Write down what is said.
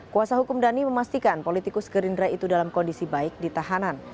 kuasa hukum dhani memastikan politikus gerindra itu dalam kondisi baik di tahanan